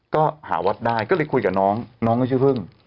ก็หาวัดได้ก็เลยคุยกับน้องน้องก็ชื่อพึ่ง